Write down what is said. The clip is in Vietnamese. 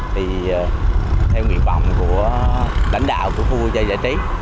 thì theo nguyện vọng của lãnh đạo của khu vui chơi giải trí